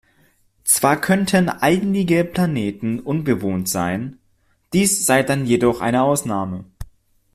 Zwar könnten einige Planeten unbewohnt sein, dies sei dann jedoch eine Ausnahme.